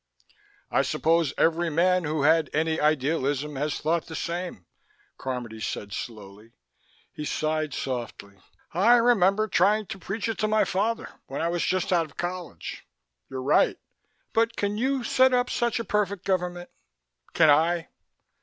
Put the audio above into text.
"I suppose every man who had any idealism has thought the same," Carmody said slowly. He sighed softly. "I remember trying to preach it to my father when I was just out of college. You're right. But can you set up such a perfect government? Can I?